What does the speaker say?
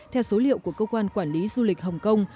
theo số liệu của cơ quan quản lý du lịch hồng kông